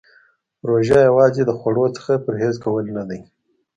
روژه یوازې د خوړو څخه پرهیز کول نه دی .